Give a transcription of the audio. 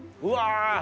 うわ！